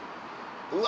うわ